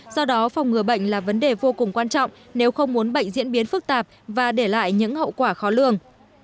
do đó phòng ngừa bệnh là vấn đề vô cùng quan trọng nếu không muốn bệnh diễn biến phức tạp và để lại những hậu quả khó lường